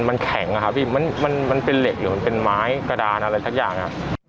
มันแข็งอะครับพี่มันเป็นเหล็กหรือมันเป็นไม้กระดานอะไรสักอย่างครับ